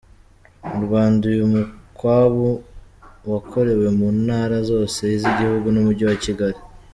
Mu Rwanda, uyu mukwabu wakorewe mu ntara zose z’igihugu n’Umujyi wa Kigali.